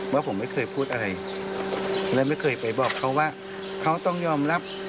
ว่าผมไม่เคยพูดอะไรและไม่เคยไปบอกเขาว่าเขาต้องยอมรับ